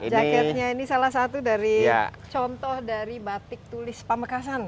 jaketnya ini salah satu dari contoh dari batik tulis pamekasan